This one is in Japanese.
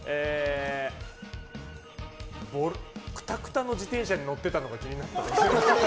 くたくたの自転車に乗ってたのが気になった。